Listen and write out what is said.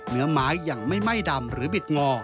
เนื้อไม้ยังไม่ไหม้ดำหรือบิดงอ